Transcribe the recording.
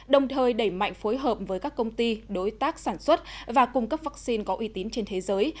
đồng thời đẩy mạnh phối hợp với các công ty đối tác sản xuất và cung cấp vaccine có uy tín trên thế giới